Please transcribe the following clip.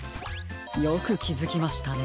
よくきづきましたね。